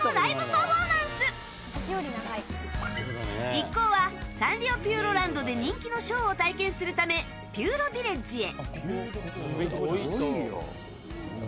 一行はサンリオピューロランドで人気のショーを体験するためピューロビレッジへ。